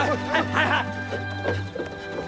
はいはい！